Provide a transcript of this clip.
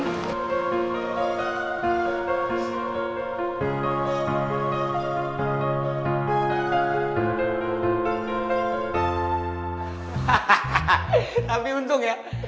hahaha tapi untung ya